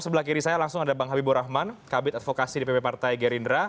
sebelah kiri saya langsung ada bang habibur rahman kabit advokasi dpp partai gerindra